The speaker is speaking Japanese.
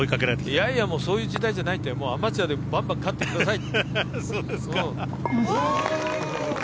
いやいやもうそういう時代じゃないってアマチュアでばんばん勝ってくださいって。